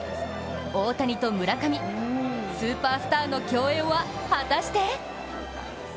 大谷と村上、スーパースターの競演は、果たして？